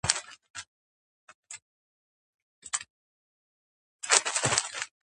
მარიამ თავისი არჩევანი ფერდინანდზე შეაჩერა.